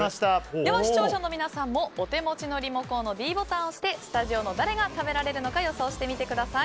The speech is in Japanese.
では視聴者の皆さんもお手持ちのリモコンのｄボタンを押してスタジオの誰が食べられるのか予想してみてください。